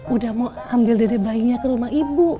udah mau ambil dari bayinya ke rumah ibu